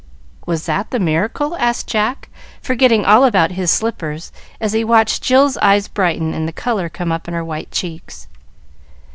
"Was that the miracle?" asked Jack, forgetting all about his slippers, as he watched Jill's eyes brighten and the color come up in her white cheeks.